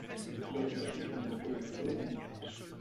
Burker King c'est meilleur que le MacDo non?